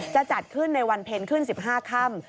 จะจัดขึ้นในวันเพ็ญขึ้น๑๕ค่ำ